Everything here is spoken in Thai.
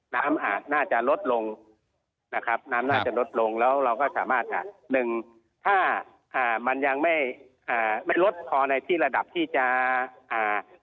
น้ำอ่าน่าจะลดลงนะครับน้ำน่าจะลดลงแล้วเราก็สามารถอ่าหนึ่งถ้าอ่ามันยังไม่อ่าไม่ลดพอในที่ระดับที่จะอ่า